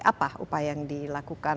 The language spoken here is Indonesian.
apa upaya yang dilakukan